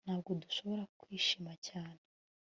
Ntabwo dushobora kwishima cyane